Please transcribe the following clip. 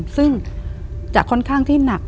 ซึ่งจะค่อนข้างที่หนัก